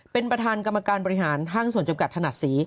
เป็นประธานกรรมการบริหารห้างส่วนจำกัดถนัดศรี